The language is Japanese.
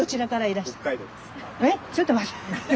えちょっと待って。